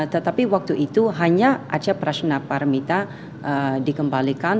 tetapi waktu itu hanya arca prashnaparamita dikembalikan